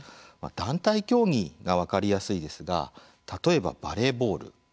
団体競技が分かりやすいですが例えばバレーボール。